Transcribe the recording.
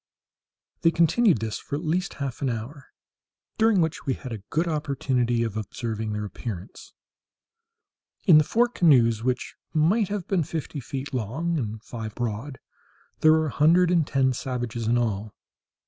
They continued this for at least half an hour, during which we had a good opportunity of observing their appearance. In the four canoes, which might have been fifty feet long and five broad, there were a hundred and ten savages in all.